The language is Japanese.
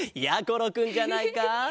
ころくんじゃないか。